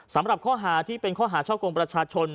สำหรับข้อหาที่เป็นข้อหาช่อกงประชาชน